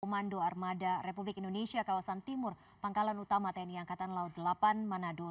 komando armada republik indonesia kawasan timur pangkalan utama tni angkatan laut delapan manado